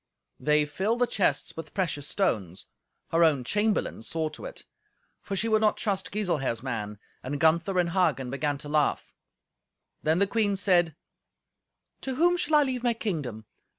They filled the chests with precious stones. Her own chamberlain saw to it, for she would not trust Giselher's man. And Gunther and Hagen began to laugh. Then the queen said, "To whom shall I leave my kingdom?